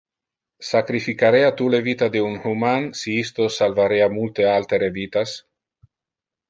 Sacrificarea tu le vita de un human si isto salvarea multe altere vitas?